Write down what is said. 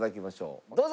どうぞ！